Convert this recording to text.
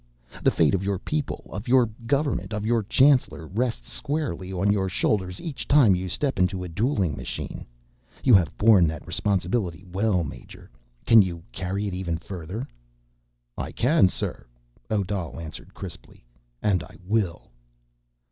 The fate of your people, of your government, of your chancellor rests squarely on your shoulders each time you step into a dueling machine. You have borne that responsibility well, major. Can you carry it even further?" "I can, sir," Odal answered crisply, "and I will."